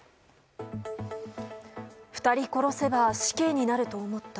２人殺せば死刑になると思った。